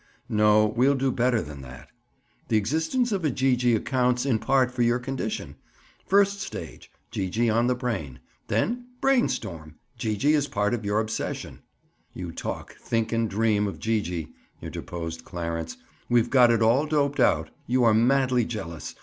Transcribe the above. "No, we'll do better than that. The existence of a Gee gee accounts, in part, for your condition. First stage, Gee gee on the brain; then, brain storm! Gee gee is part of your obsession!" "You talk, think and dream of Gee gee," interposed Clarence. "We've got it all doped out. You are madly jealous.